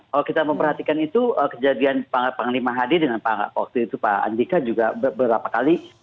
kalau kita memperhatikan itu kejadian panglima hadi dengan pak waktu itu pak andika juga beberapa kali